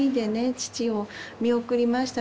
父を見送りました。